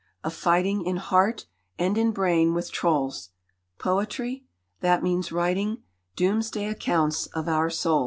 a fighting In heart and in brain with trolls. Poetry? that means writing Doomsday accounts of our souls.